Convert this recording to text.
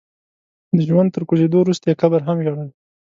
د ژوند تر کوزېدو وروسته يې قبر هم ژړل.